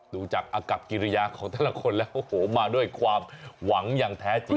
ดูจากอากับกิริยาของแต่ละคนแล้วโอ้โหมาด้วยความหวังอย่างแท้จริง